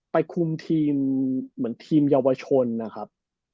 คุมทีมเหมือนทีมเยาวชนนะครับ